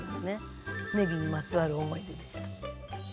ねぎにまつわる思い出でした。